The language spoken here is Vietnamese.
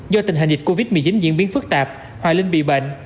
do tình hình dịch covid một mươi chín diễn biến phức tạp hòa linh bị bệnh